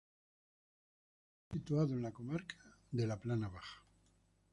Situado en la comarca de la Plana Baja.